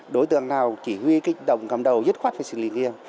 đối tượng nào chỉ huy cái đồng cầm đầu dứt khoát phải xử lý nghiêm